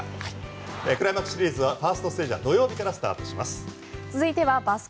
クライマックスシリーズファーストステージは土曜日からスタートします。